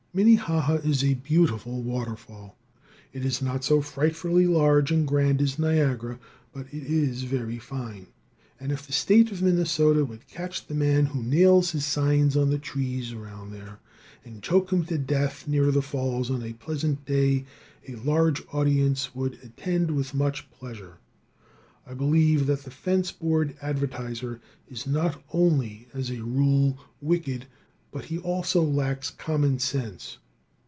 Minnehaha is a beautiful waterfall. It is not so frightfully large and grand as Niagara, but it is very fine, and if the State of Minnesota would catch the man who nails his signs on the trees around there, and choke him to death near the falls on a pleasant day, a large audience wold attend with much pleasure, I believe that the fence board advertiser is not only, as a rule, wicked, but he also lacks common sense.